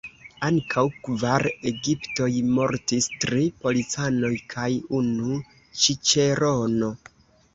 Ankaŭ kvar egiptoj mortis: tri policanoj kaj unu ĉiĉerono.